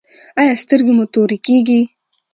ایا سترګې مو تورې کیږي؟